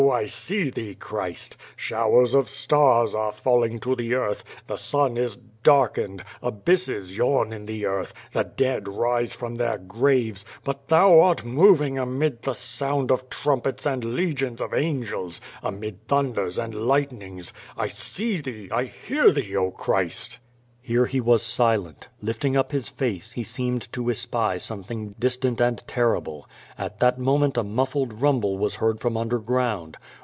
I see Thee, Christ 1 Showers of stars are falling to the eai th, the sun is darkened, abysses yawn in the earth, the dead rise from their graves, but Thou art moving amid the sound of trumpets and legions of angels, amid thunders and light nings. I see Thee, I hear Thee, oh, Christ!" Here he was silent. Lifting up his face, he seemed to espy something distant and terrible. At that moment a muffled rumble was heard from underground.